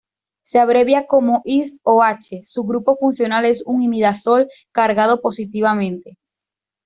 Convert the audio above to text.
Se abrevia como His o H. Su grupo funcional es un imidazol cargado positivamente.